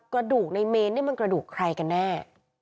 กระดูกในเมนนี่มันกระดูกใครกันแน่